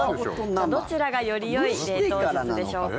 どちらがよりよい冷凍術でしょうか。